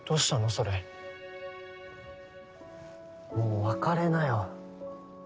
それもう別れなよ